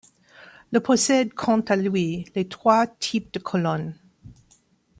Le possède quant à lui, les trois types de colonnes.